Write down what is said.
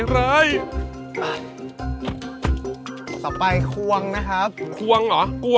หยุดเร็ว